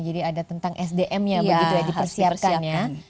jadi ada tentang sdmnya begitu ya dipersiapkan ya